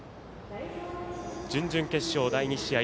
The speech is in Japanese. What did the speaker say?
準々決勝、第２試合